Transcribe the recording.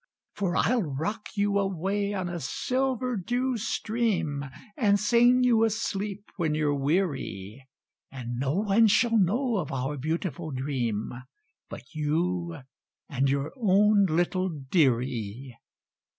For I'll rock you away on a silver dew stream, And sing you asleep when you're weary, And no one shall know of our beautiful dream But you and your own little dearie.